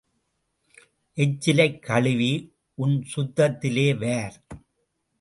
எச்சிலைக் கழுவி உன் சுத்தத்திலே வார்.